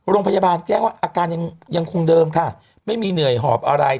โรงพยาบาลแจ้งว่าอาการยังคงเดิมค่ะไม่มีเหนื่อยหอบอะไร